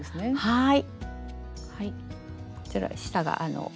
はい。